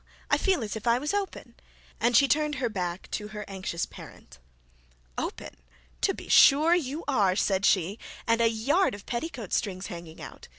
I feel as if I was open;' and she turned her back to her anxious parent. 'Open! To be sure you are,' said she, 'and a yard of petticoat strings hanging out.